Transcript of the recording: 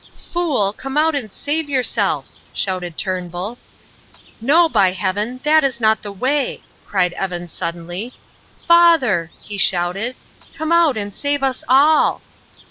"Fool, come out and save yourself!" shouted Turnbull. "No, by Heaven! that is not the way," cried Evan, suddenly. "Father," he shouted, "come out and save us all!"